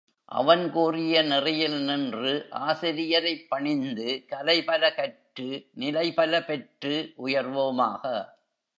அவன் கூறிய நெறியில் நின்று, ஆசிரியரைப் பணிந்து, கலை பல கற்று, நிலை பல பெற்று உயர்வோமாக!